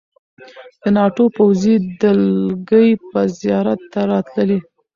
د ناټو پوځي دلګۍ به زیارت ته راتللې.